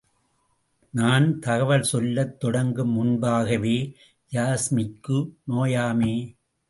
நான் தகவல் சொல்லத் தொடங்கும் முன்பாகவே, யாஸ்மிக்கு நோயாமே?